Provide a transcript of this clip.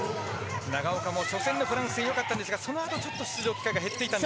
長岡も初戦のフランスは良かったんですが、そのあとは出場機会が減っていました。